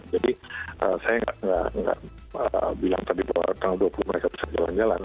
saya nggak bilang tadi bahwa tanggal dua puluh mereka bisa jalan jalan